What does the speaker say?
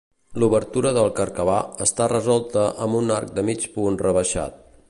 L'obertura del carcabà està resolta amb un arc de mig punt rebaixat.